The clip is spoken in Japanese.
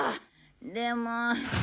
でも。